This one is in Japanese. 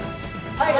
はい！